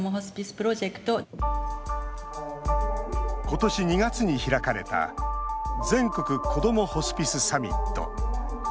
ことし２月に開かれた全国こどもホスピスサミット。